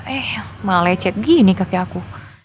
eh malah lecet gini kakek aku